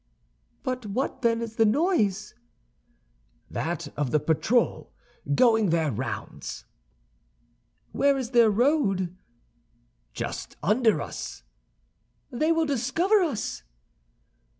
"But what, then, is the noise?" "That of the patrol going their rounds." "Where is their road?" "Just under us." "They will discover us!"